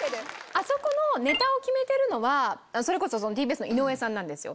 あそこのネタを決めてるのはＴＢＳの井上さんなんですよ。